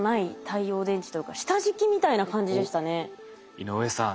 井上さん